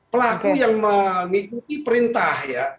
pelaku yang mengikuti perintah ya